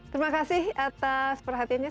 terima kasih atas perhatiannya